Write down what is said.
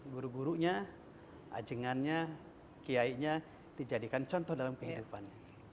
guru gurunya ajengannya kiainya dijadikan contoh dalam kehidupannya